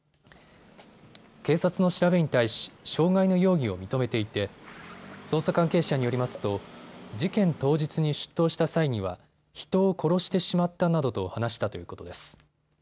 警察の調べに対し傷害の容疑を認めていて捜査関係者によりますと事件当日に出頭した際には人を殺してしまったなどと話したということです。